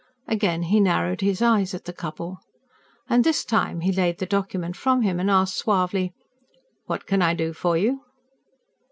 Again he narrowed his eyes at the couple. And this time he laid the document from him and asked suavely: "What can I do for you?"